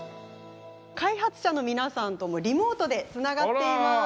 開発者の皆さんともリモートでつながっています。